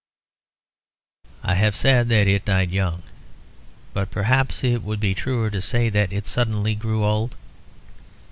I have said that it died young; but perhaps it would be truer to say that it suddenly grew old.